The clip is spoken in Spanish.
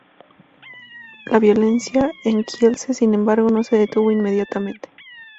La violencia en Kielce, sin embargo, no se detuvo inmediatamente.